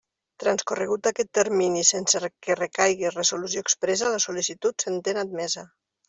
Transcorregut aquest termini sense que recaigui resolució expressa, la sol·licitud s'entén admesa.